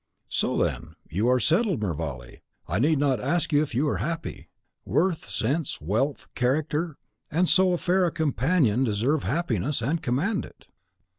"So, then, you are settled, Mervale, I need not ask you if you are happy. Worth, sense, wealth, character, and so fair a companion deserve happiness, and command it."